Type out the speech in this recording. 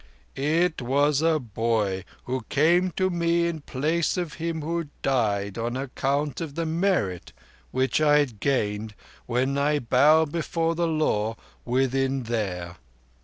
"It was a boy who came to me in place of him who died, on account of the merit which I had gained when I bowed before the Law within there."